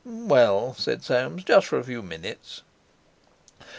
"Well," said Soames, "just for a few minutes."